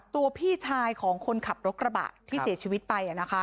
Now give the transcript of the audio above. พี่ชายของคนขับรถกระบะที่เสียชีวิตไป